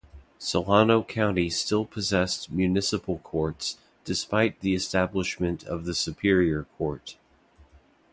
Solano County still possessed municipal courts despite the establishment of the superior court.